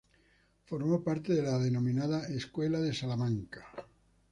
Formó parte de la denominada escuela de Salamanca.